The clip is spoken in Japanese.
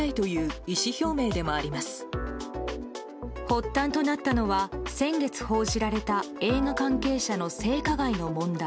発端となったのは先月、報じられた映画関係者の性加害の問題。